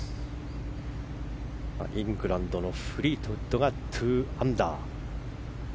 イングランドのフリートウッドが２アンダー。